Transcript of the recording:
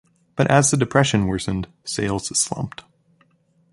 But as the Depression worsened, sales slumped.